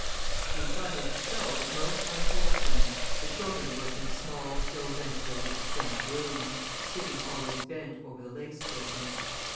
The employment itself is most unwholesome. The children work in small, ill ventilated, damp rooms, sitting always bent over the lace cushion.